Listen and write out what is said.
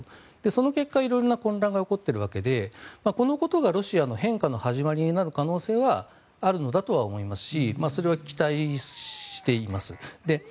その結果、色々な混乱が起こっているわけでこのことがロシアの変化の始まりになる可能性はあるのだとは思いますしそれは期待しています。